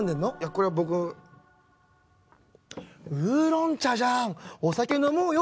これ僕ウーロン茶じゃんお酒飲もうよ！